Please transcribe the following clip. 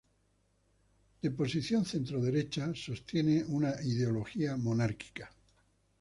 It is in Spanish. De posición centroderechista, sostiene una ideología monarquista.